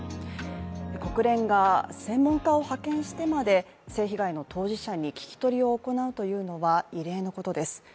国連が専門家を派遣してまで性被害の当事者に聞き取りを行うというのは異例のことです。